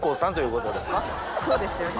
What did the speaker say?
そうですよね。